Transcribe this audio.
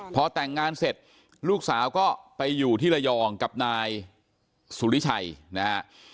พอแต่งงานเสร็จลูกสาวก็ไปอยู่ที่ระยองกับนายสุริชัยนะฮะ